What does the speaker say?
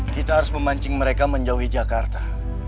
kita harus memancing mereka menjauhi jakarta